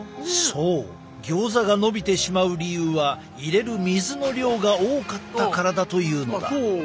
そうギョーザがのびてしまう理由は入れる水の量が多かったからだというのだ。